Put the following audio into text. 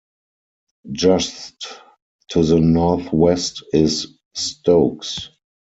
Just to the northwest is Stokes.